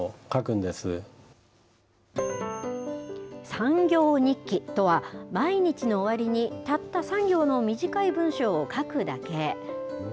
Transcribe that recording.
３行日記とは、毎日の終わりにたった３行の短い文章を書くだけ。